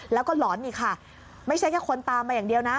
แล้วก็หลอนอีกค่ะไม่ใช่แค่คนตามมาอย่างเดียวนะ